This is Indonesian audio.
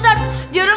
ya udah selesai